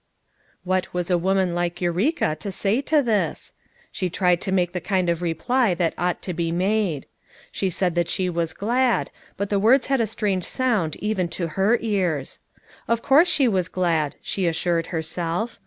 " What was a woman like Eureka to say to this ! She tried to make the kind of reply that ought to be made. She said that she was glad, but the words had a strange sound even to her ears. Of course she was glad, she assured her self.